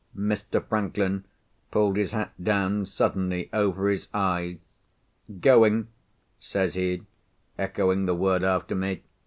Mr. Franklin pulled his hat down suddenly over his eyes. "Going?" says he, echoing the word after me.